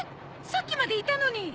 さっきまでいたのに。